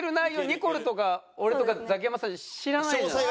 ニコルとか俺とかザキヤマさん知らないじゃない。